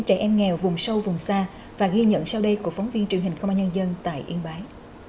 em nghèo vùng sâu vùng xa và ghi nhận sau đây của phóng viên truyền hình không ai nhân dân tại yên bái